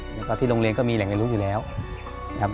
แล้วก็ที่โรงเรียนก็มีแหล่งเรียนรู้อยู่แล้วครับ